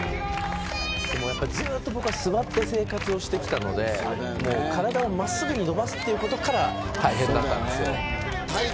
僕はずっと座って生活してきたので体を真っすぐに伸ばすということから始めたんです。